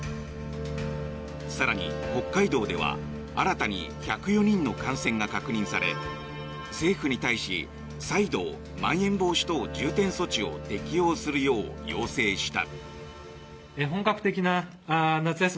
更に、北海道では新たに１０４人の感染が確認され政府に対し再度、まん延防止等重点措置を適用するよう要請した。